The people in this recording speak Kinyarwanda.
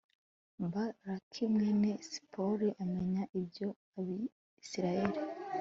balaki mwene sipori amenya ibyo abisirayeli